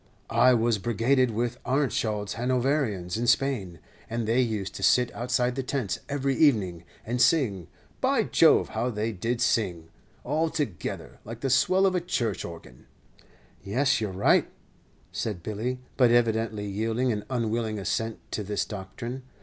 "I was brigaded with Arentschild's Hanoverians in Spain; and they used to sit outside the tents every evening, and sing. By Jove! how they did sing all together, like the swell of a church organ." "Yes, you're right," said Billy, but evidently yielding an unwilling assent to this doctrine.